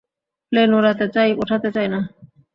Plane ওড়াতে চাই, ওঠাতে চাই না।